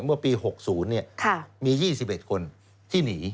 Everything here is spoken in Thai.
เมื่อปี๖๐มี๒๑คนที่หนี